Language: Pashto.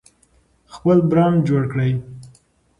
خپل برند جوړ کړئ.